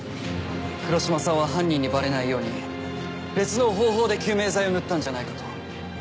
黒島さんは犯人にバレないように別の方法で救命剤を塗ったんじゃないかと。